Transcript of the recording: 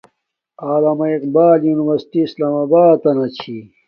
علامہ اقبال یونی ورسٹی اسلام آباتنا چھی